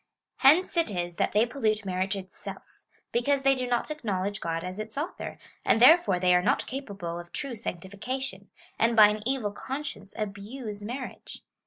Hence it is that they pollute marriage itself, because they do not acknowledge God as its Author, and therefore they are not capable of true sanctification, and by an evil conscience abuse marriage.